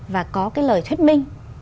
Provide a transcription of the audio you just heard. và có cái lời thuyết minh